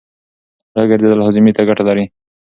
لږ ګرځېدل هاضمې ته ګټه لري.